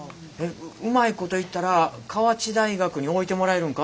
うまいこといったら河内大学に置いてもらえるんか？